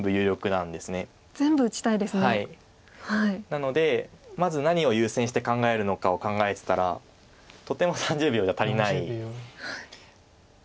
なのでまず何を優先して考えるのかを考えてたらとても３０秒じゃ足りない。